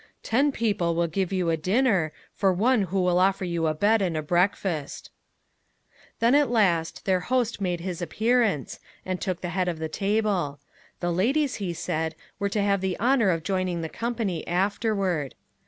"Ten people will give you a dinner, for one who will offer you a bed and a breakfast:" Then at last their host made his appearance, and took the head of the table: the ladies, he said, were to have the honor of joining the company afterward.